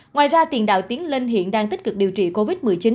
ngoài ra tiền đạo tiến linh hiện đang tích cực điều trị covid một mươi chín